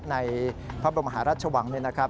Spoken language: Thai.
ในพระบรมหารัฐชวังนะครับ